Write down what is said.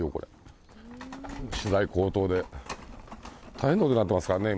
大変なことになってますからね